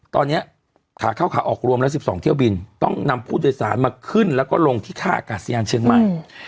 ตอนนี้ขาเข้าขาออกรวมแล้ว๑๒เที่ยวบินต้องนำผู้โดยสารมาขึ้นแล้วก็ลงที่ท่าอากาศยานเชียงใหม่